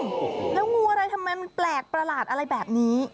แล้วงูอะไรทำไมมันแปลกประหลาดอะไรแบบนี้